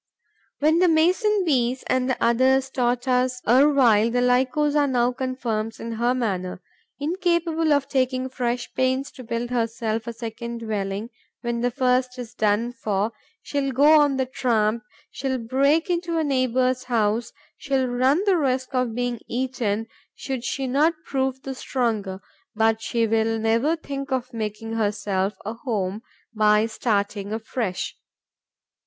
What the Mason bees and the others taught us erewhile the Lycosa now confirms in her manner. Incapable of taking fresh pains to build herself a second dwelling, when the first is done for, she will go on the tramp, she will break into a neighbour's house, she will run the risk of being eaten should she not prove the stronger, but she will never think of making herself a home by starting afresh.